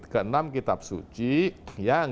ke enam kitab suci yang